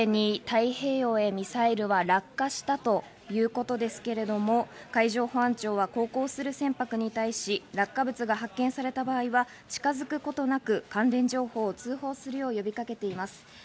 すでに太平洋へミサイルは落下したということですけれども、海上保安庁は航行する船舶に対し落下物が発見された場合は近づくことなく、関連情報を通報するよう呼びかけています。